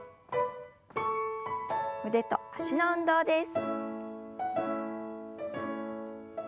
腕と脚の運動です。